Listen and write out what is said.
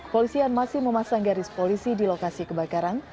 polisian masih memasang garis polisi di lokasi kebakaran